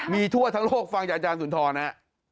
มีทั่วทั้งโลกฟังจากอาจารย์สุนทรฮะ